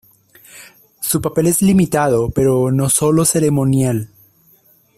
Su papel es limitado, pero no solo ceremonial.